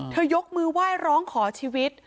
ยกมือไหว้ร้องขอชีวิต